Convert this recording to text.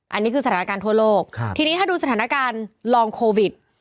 อันนี้คือสถานการณ์ทั่วโลกทีนี้ถ้าดูสถานการณ์ลองโควิด